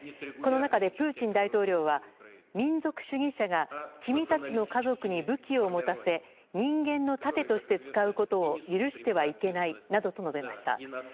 この中で、プーチン大統領は民族主義者が君たちの家族に武器を持たせ人間の盾として使うことを許してはいけないなどと述べました。